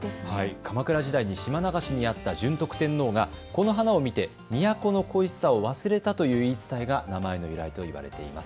鎌倉時代に島流しにあった順徳天皇が、この花を見て都の恋しさを忘れたという言い伝えが名前の由来と言われています。